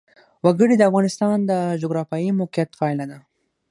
وګړي د افغانستان د جغرافیایي موقیعت پایله ده.